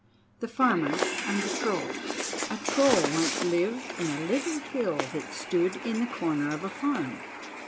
The Farmer and the Troll A troll once lived in a little hill that stood in the corner of a farm.